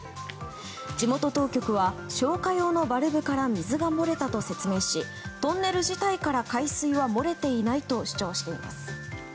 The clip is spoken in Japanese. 地元当局は消火用のバルブから水が漏れたと説明しトンネル自体から、海水は漏れていないと主張しています。